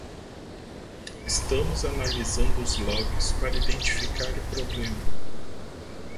Estamos analisando os logs para identificar o problema.